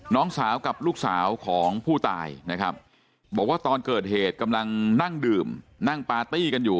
น้องสาวกับลูกสาวของผู้ตายนะครับบอกว่าตอนเกิดเหตุกำลังนั่งดื่มนั่งปาร์ตี้กันอยู่